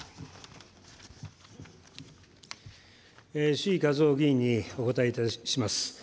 志位和夫議員にお応えいたします。